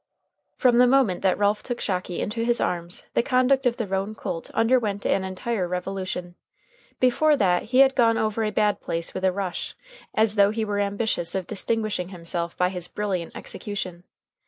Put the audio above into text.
From the moment that Ralph took Shocky into his arms, the conduct of the roan colt underwent an entire revolution. Before that he had gone over a bad place with a rush, as though he were ambitious of distinguishing himself by his brilliant execution.